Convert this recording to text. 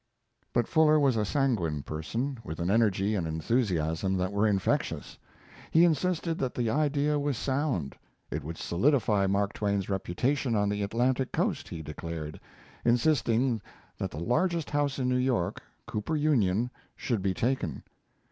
But Fuller was a sanguine person, with an energy and enthusiasm that were infectious. He insisted that the idea was sound. It would solidify Mark Twain's reputation on the Atlantic coast, he declared, insisting that the largest house in New York, Cooper Union, should be taken.